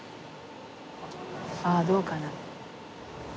ああどうかな。